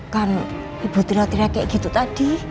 kan ibu teriak teriak kayak gitu tadi